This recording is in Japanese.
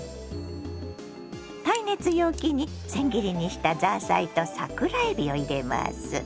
耐熱容器にせん切りにしたザーサイと桜えびを入れます。